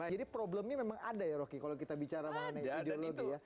jadi problemnya memang ada ya roky kalau kita bicara mengenai ideologi ya